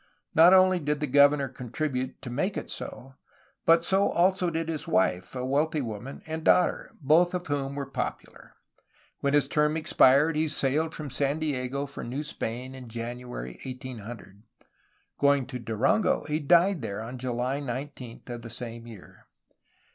Not only did the governor contribute to make it so, but so also did his wife (a wealthy woman) and daughter, both of whom were popular. When his term expired, he sailed from San Diego for New Spain in January 1800. Going to Durango he died there on July 19 of the same year.